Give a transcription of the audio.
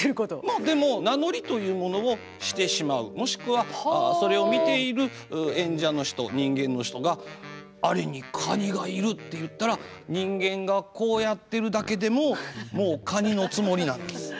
まあでも名乗りというものをしてしまうもしくはそれを見ている演者の人人間の人が「あれに蟹がいる」って言ったら人間がこうやってるだけでももう蟹のつもりなんです。